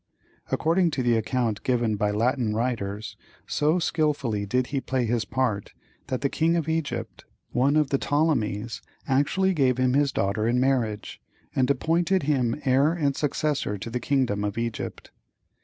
According to the account given by Latin writers, so skilfully did he play his part that the King of Egypt, one of the Ptolemys, actually gave him his daughter in marriage, and appointed him heir and successor to the kingdom of Egypt.